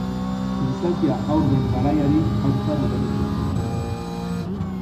Gizakia haur den garaiari haurtzaro deritzo.